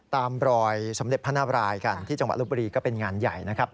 ตามรอยสมเด็จพระนาบรายกันที่จังหวัดลบบุรีก็เป็นงานใหญ่นะครับ